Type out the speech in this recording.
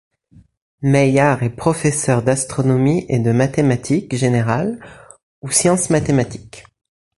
Maillard est professeur d'astronomie et de mathématiques générales ou sciences mathématiques.